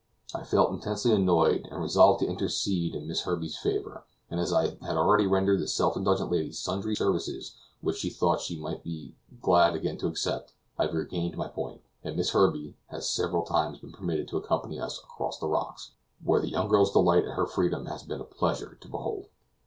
I felt intensely annoyed, and resolved to intercede in Miss Herbey's favor; and as I had already rendered that self indulgent lady sundry services which she though she might probably be glad again to accept, I gained my point, and Miss Herbey has several times been permitted to accompany us across the rocks, where the young girl's delight at her freedom has been a pleasure to behold.